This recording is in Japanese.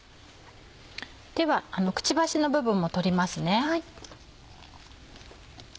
ではクチバシの部分も取りますね。